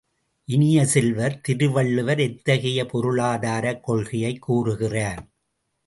இனிய செல்வ, திருவள்ளுவர் எத்தகைய பொருளாதாரக் கொள்கையைக் கூறுகிறார்?